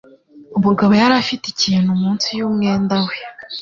Umugabo yari afite ikintu munsi yumwenda we.